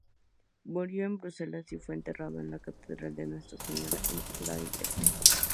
Murió en Bruselas y fue enterrado en la "Catedral de Nuestra Señora" en Laeken.